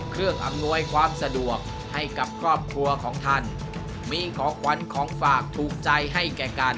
อำนวยความสะดวกให้กับครอบครัวของท่านมีของขวัญของฝากถูกใจให้แก่การ